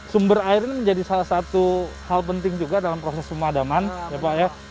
sumber air ini menjadi salah satu hal penting juga dalam proses pemadaman ya pak ya